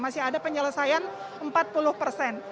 masih ada penyelesaian empat puluh persen